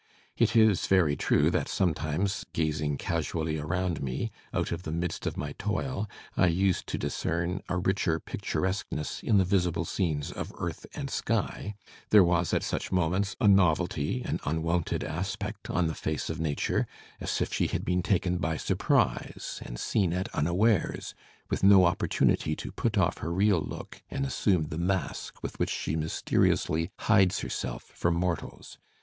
It is very true that, sometimes, gazing casually around me, out of the midst of my toil, I used to discern a richer picturesqueness in the visible scenes of earth and sky. There was, at such moments, a novelty, an unwonted aspect, on the face of Natiu^, as if she had been \ Digitized by Google HAWTHORNE 91 taken by surprise and seen at unawares, with no opportunity to put off her real look and assume the mask with which she mysteriously hides herself from mortals.